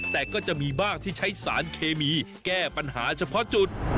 แต่ก็จะมีบ้างที่ใช้สารเคมีแก้ปัญหาเฉพาะจุด